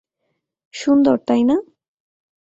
সুন্দর, তাই না?